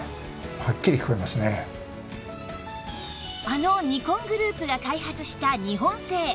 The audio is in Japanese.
あのニコングループが開発した日本製